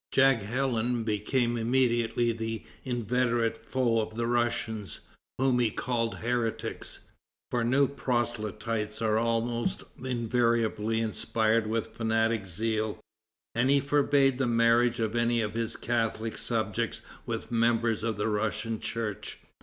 Jaghellon became immediately the inveterate foe of the Russians, whom he called heretics, for new proselytes are almost invariably inspired with fanatic zeal, and he forbade the marriage of any of his Catholic subjects with members of the Russian church.